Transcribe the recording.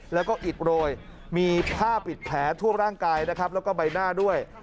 แล้วก็อิดโรยมีผ้าปิดแผลทั่วร่างกายนะครับแล้วก็ใบหน้าด้วย